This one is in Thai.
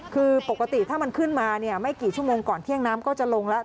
คือปกติถ้ามันขึ้นมาไม่กี่ชั่วโมงก่อนเที่ยงน้ำก็จะลงแล้ว